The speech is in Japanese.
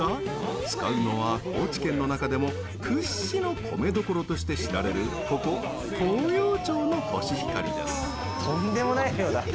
使うのは高知県の中でも屈指の米どころとして知られるここ東洋町のコシヒカリです。